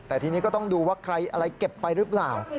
แต่ทีนี้ก็ต้องดูว่าใครอะไรเก็บไปหรือเปล่า